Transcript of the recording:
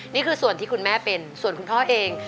นี่คือส่วนที่คุณแม่เป็นส่วนคุณพ่อเอง